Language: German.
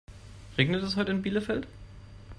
Regnet es heute in Bielefeld?